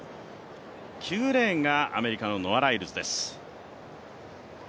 ９レーンがアメリカのノア・ライルズです。